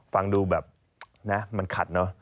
ฟังดูแบบนะมันขัดเนอะ